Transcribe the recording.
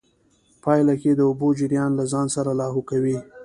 پايله کې د اوبو جريان له ځان سره لاهو کوي.